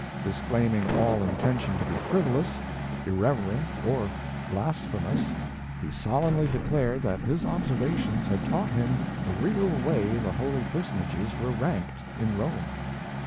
Disclaiming all intention to be frivolous, irreverent or blasphemous, he solemnly declared that his observations had taught him the real way the Holy Personages were ranked in Rome.